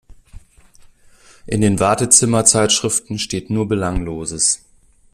In den Wartezimmer-Zeitschriften steht nur Belangloses.